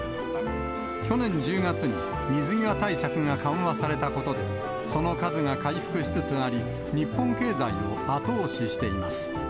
去年１０月に水際対策が緩和されたことで、その数が回復しつつあり、日本経済を後押ししています。